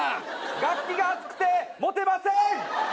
楽器が熱くて持てません。